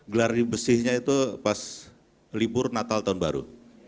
gelar besinya itu pas libur natal tahun baru